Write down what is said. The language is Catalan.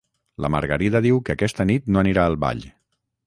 La Margarida diu que aquesta nit no anirà al ball